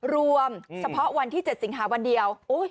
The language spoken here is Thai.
รวมเฉพาะวันที่๗สิงหาวันเดียว